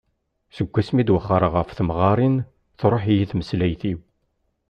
Seg mi i d-wexreɣ ɣef temɣarin truḥ-iyi tmeslayt-iw.